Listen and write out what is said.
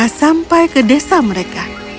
dia menemukan mereka sampai ke desa mereka